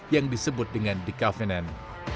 yang disebut dengan the covenant